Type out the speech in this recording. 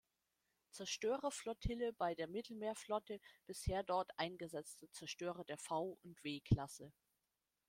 Zerstörerflottille bei der Mittelmeerflotte bisher dort eingesetzte Zerstörer der V- und W-Klasse.